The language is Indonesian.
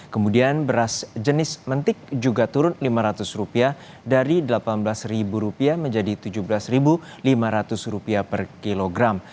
kemudian beras jenis mentik juga turun rp lima ratus dari rp delapan belas menjadi rp tujuh belas lima ratus per kilogram